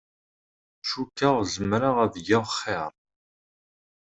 Cukkeɣ zemreɣ ad geɣ xir.